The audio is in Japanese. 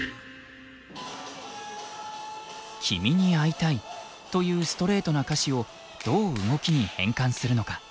「きみにアイタイ」というストレートな歌詞をどう動きに変換するのか。